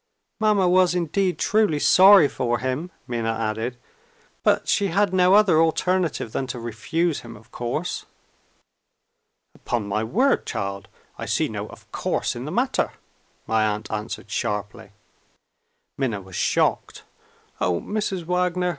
"Mamma was indeed truly sorry for him," Minna added; "but she had no other alternative than to refuse him, of course." "Upon my word, child, I see no 'of course' in the matter!" my aunt answered sharply. Minna was shocked. "Oh, Mrs. Wagner!